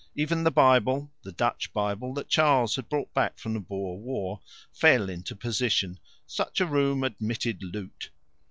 Even the Bible the Dutch Bible that Charles had brought back from the Boer War fell into position. Such a room admitted loot.